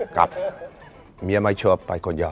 กับเมียไม่ชอบไปคนเดียว